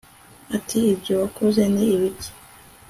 ati ibyo wakoze ni ibiki